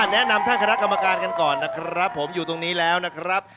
แนะนำท่านคณะกรรมการกันก่อนนะครับผมอยู่ตรงนี้แล้วนะครับ